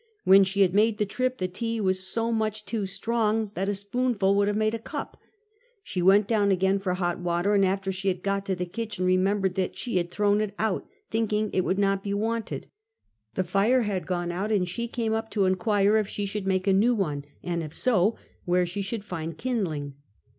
"When she had made the trip the tea was so much too strong that a spoonful would have made a cup. She went down again for hot water, and after she had got to the kitchen remembered that she had thrown it out, thinking it would not be wanted. The fire had gone out, and she came up to inquire if she should make a new one, and if so, where she should find kindling?